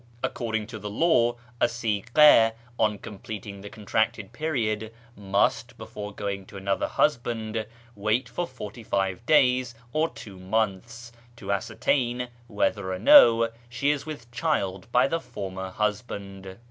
Ac cording to the law, a sigha, on completing the contracted period, must, before going to another husband, wait for forty five days or two months to ascertain whether or no she is with child by the former husband.